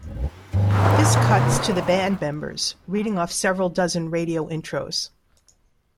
This cuts to the band members reading off several dozen radio intros.